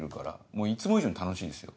もういつも以上に楽しいですよ。